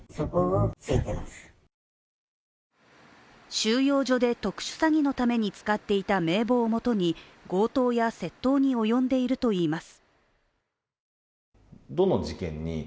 収容所で特殊詐欺のために使っていた名簿をもとに強盗や窃盗に及んでいるといいます。